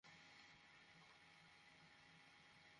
ক্রোধে ক্রোধে অধীর হয়ে উঠল।